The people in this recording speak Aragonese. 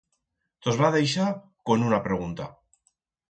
Tos va deixar con una pregunta.